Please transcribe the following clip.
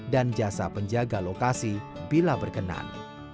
dan jasa penjaga lokasi bila berkenan